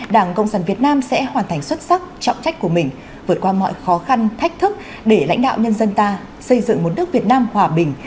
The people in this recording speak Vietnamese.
đảng cộng sản việt nam sẽ hoàn thành xuất sắc trọng trách của mình vượt qua mọi khó khăn thách thức để lãnh đạo nhân dân ta xây dựng một nước việt nam hòa bình